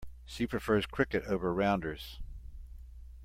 She prefers cricket over rounders.